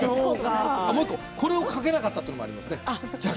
もう１個を上着を掛けなかったというのもありますね。